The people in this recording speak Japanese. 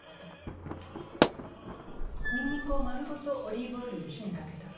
ニンニクを丸ごとオリーブオイルで火にかけた。